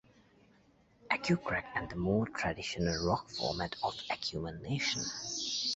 Acucrack, and the more traditional rock format of Acumen Nation.